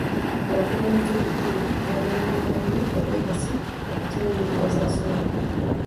Abakulembeze b'edddiini balwanirira nnyo obwegassi wakati w'endiga ze basumba.